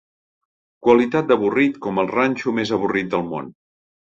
Qualitat d'avorrit com el ranxo més avorrit del món.